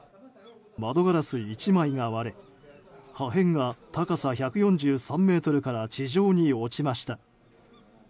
窓ガラス１枚が割れ破片が高さ１４３ｍから地上に落ちました。